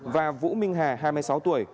và vũ minh hà hai mươi sáu tuổi